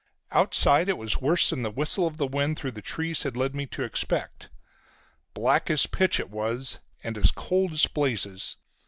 Outside it was worse than the whistle of the wind through the trees had led me to expect. Black as pitch it was, and as cold as blazes.